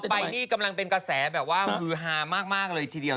ใบนี่กำลังเป็นกระแสแบบว่าฮือฮามากเลยทีเดียว